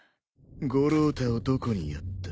五郎太をどこにやった？